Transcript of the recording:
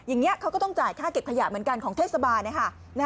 อย่างนี้เขาก็ต้องจ่ายค่าเก็บขยะเหมือนกันของเทศบาลนะคะ